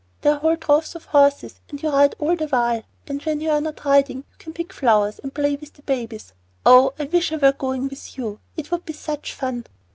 There are whole droves of horses, and you ride all the while, and when you're not riding you can pick flowers and play with the babies. Oh, I wish I were going with you; it would be such fun!"